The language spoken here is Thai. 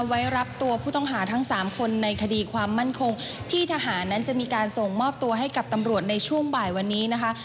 ไว้รับตัวผู้ต้องหาทั้งสามคนในคดีความมั่นคงที่ทหารนั้นจะมีการส่งมอบตัวให้กับตำรวจในช่วงบ่ายวันนี้นะคะ